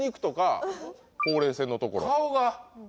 顔が。